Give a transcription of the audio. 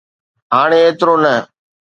هاڻي ايترو نه.